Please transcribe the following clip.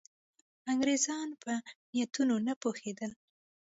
انګرېزان په نیتونو نه پوهېدل.